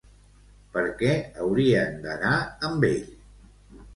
Per què haurien d'anar amb ell?